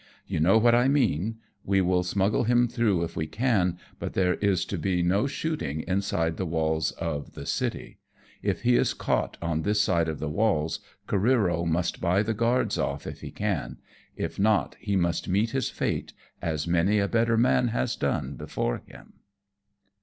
You know what 1 mean ; we will smuggle him through if we can, but there is to be no shooting inside the walls of the city. If he is caught on this side of the walls, Careero must buy the guards off if he can ; if not, he must meet his fate, as many a better man has done before him."